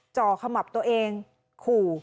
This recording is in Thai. จ่อขมับตัวเองขู่